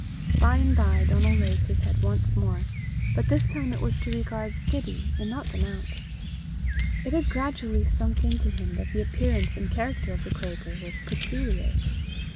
By and by Donal raised his head once more, but this time it was to regard Gibbie and not the nowt. It had gradually sunk into him that the appearance and character of the cratur were peculiar.